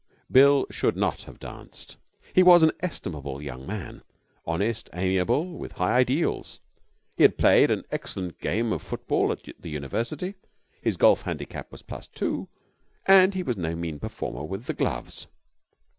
Bill should not have danced. He was an estimable young man, honest, amiable, with high ideals. He had played an excellent game of football at the university; his golf handicap was plus two; and he was no mean performer with the gloves.